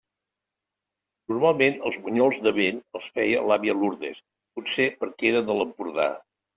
Normalment els bunyols de vent els feia l'àvia Lourdes, potser perquè era de l'Empordà.